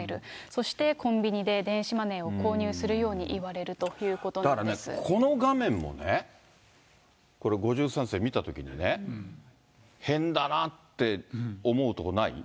そして、コンビニで電子マネーを購入するように言われるということなんでだからね、この画面もね、これ５３世、見たときにね、変だなって思うところない？